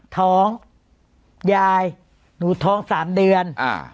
ท้องยายหนูท้อง๓เดือน